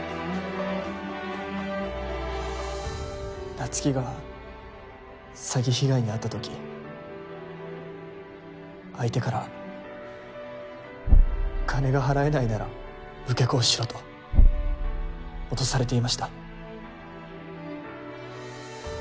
菜月が詐欺被害に遭ったとき相手から「金が払えないなら受け子をしろ」と脅されていました。